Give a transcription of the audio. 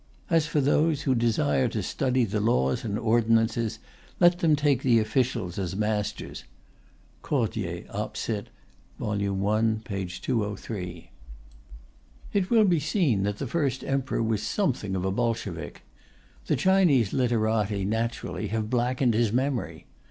As for those who desire to study the laws and ordinances, let them take the officials as masters. (Cordier, op. cit. i. p. 203.) It will be seen that the First Emperor was something of a Bolshevik. The Chinese literati, naturally, have blackened his memory.